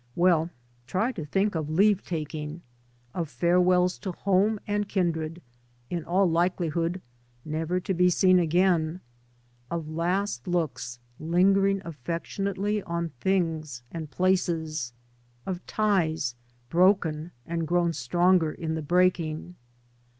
Well, try to think of leave taking — of farewells to home and kindred, in all likeli hood never to be seen again; of last looks lingering affectionately on things and places; of ties broken and grown stronger in the breaking.